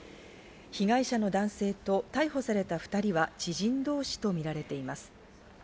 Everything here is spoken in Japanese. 被害者の男性と逮捕された２人は知人同士とみられています。